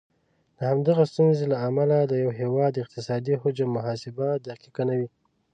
د همدغه ستونزې له امله د یو هیواد اقتصادي حجم محاسبه دقیقه نه وي.